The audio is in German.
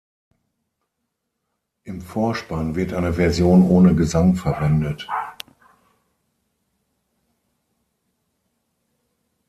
Im Vorspann wird eine Version ohne Gesang verwendet.